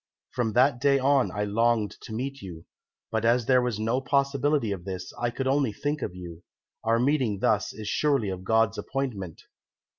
From that day on I longed to meet you, but as there was no possibility of this I could only think of you. Our meeting thus is surely of God's appointment.'